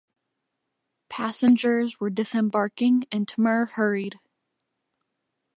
Passengers were disembarking, and Timur hurried.